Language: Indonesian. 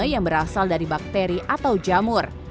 yang berasal dari bakteri atau jamur